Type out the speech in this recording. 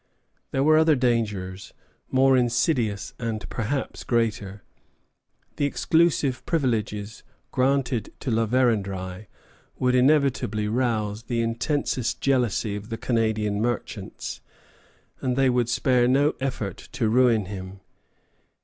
There were other dangers, more insidious, and perhaps greater. The exclusive privileges granted to La Vérendrye would inevitably rouse the intensest jealousy of the Canadian merchants, and they would spare no effort to ruin him.